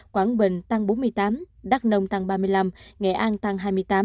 quảng bình tăng bốn mươi tám đắk nông tăng ba mươi năm nghệ an tăng hai mươi tám